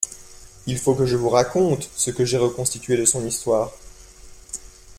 Il faut que je vous raconte ce que j’ai reconstitué de son histoire.